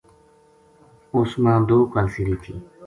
اس ما دو کالسری تھی